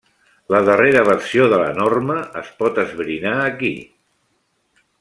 La darrera versió de la norma es pot esbrinar aquí.